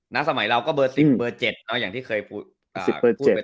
ตัวใส่เบอร์๑๐หรือเบอร์๗ยังที่เคยพูดไปตอนอีกเวลา